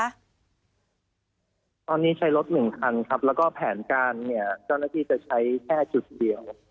ตอนนี้ใช้รถหนึ่งคันครับแล้วก็แผนการเนี่ยเจ้าหน้าที่จะใช้แค่จุดเดียว